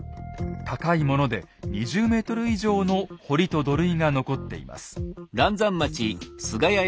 高いもので２０ｍ以上の堀と土塁が残っています。